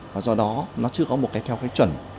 và do đó nó chưa có một cái theo cái chuẩn